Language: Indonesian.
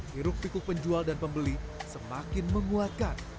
hiruk pikuk penjual dan pembeli semakin menguatkan